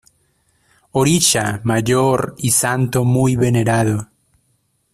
Orisha mayor y santo muy venerado.